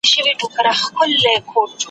چا پوستين كړ له اوږو ورڅخه پورته ,